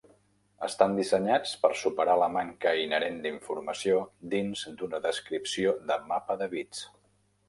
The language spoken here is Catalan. Estan dissenyats per superar la manca inherent d'informació dins d'una descripció de mapa de bits.